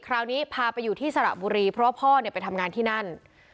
คราวนี้พาไปอยู่ที่สระบุรีเพราะว่าพ่อไปทำงานที่นั่น